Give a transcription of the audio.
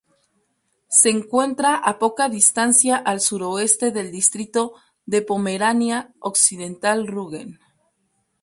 Se encuentra a poca distancia al suroeste del distrito de Pomerania Occidental-Rügen.